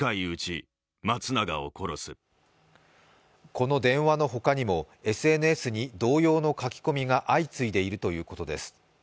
この電話の他にもＳＮＳに同様の書き込みが相次いでいるということです